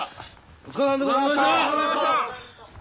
お疲れさまでございました。